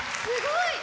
すごい！